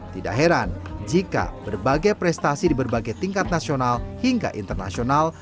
tidak heran jika berbagai prestasi di berbagai tingkat nasional hingga internasional